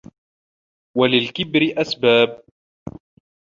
وَلِلْكِبْرِ أَسْبَابٌ